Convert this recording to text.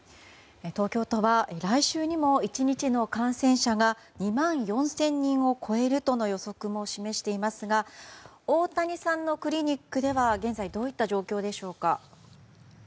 東京都は来週にも１日の感染者が２万４０００人を超えるとの予測も示していますが大谷さんのクリニックでは現在、どういった状況ですか。